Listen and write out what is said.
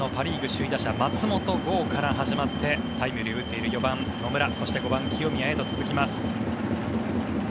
首位打者松本剛から始まってタイムリーを打っている４番、野村そして５番、清宮へと続いていきます。